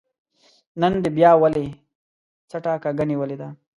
نن دې بيا ولې څټه کږه نيولې ده